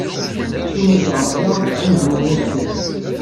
S umata, da, anezwu d uskir.